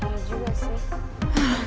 ya juga sih